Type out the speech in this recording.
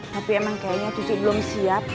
tapi emang kayaknya tujuh belum siap